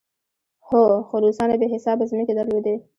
هو، خو روسانو بې حسابه ځمکې درلودې.